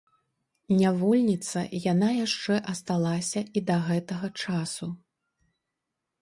Нявольніца яна яшчэ асталася і да гэтага часу.